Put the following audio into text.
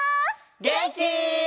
げんき？